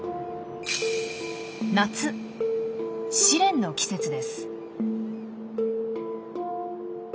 試練の季節です。